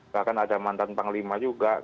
bahkan ada mantan panglima juga